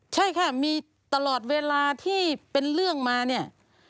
ใช่ค่ะมีตลอดเวลาที่เป็นเรื่องมาเนี่ย